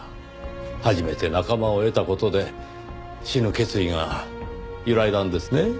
初めて仲間を得た事で死ぬ決意が揺らいだんですね。